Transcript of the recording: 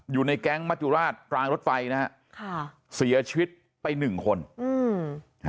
อยู่ในแก๊งมัจจุราชกลางรถไฟนะฮะค่ะเสียชีวิตไปหนึ่งคนอืม